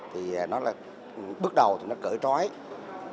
thì nó là bước đầu thì nó cởi ra là năng lượng năng lượng